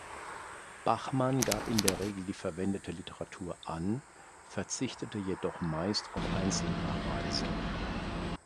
Bachmann gab in der Regel die verwendete Literatur an, verzichtete jedoch meist auf Einzelnachweise.